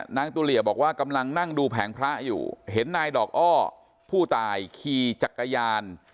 ตุเหลี่ยบอกว่ากำลังนั่งดูแผงพระอยู่เห็นนายดอกอ้อผู้ตายขี่จักรยาน